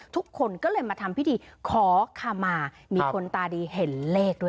ทุกคนก็เลยมาทำพิธีขอขมามีคนตาดีเห็นเลขด้วย